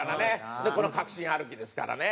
この確信歩きですからね。